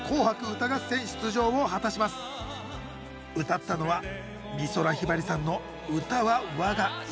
歌ったのは美空ひばりさんの「歌は我が命」